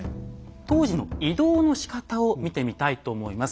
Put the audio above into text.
当時の移動のしかたを見てみたいと思います。